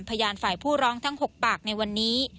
พยานฝ่ายผู้ร้องทั้ง๖ปากในวันนี้